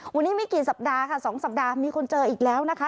วันนี้ไม่กี่สัปดาห์ค่ะ๒สัปดาห์มีคนเจออีกแล้วนะคะ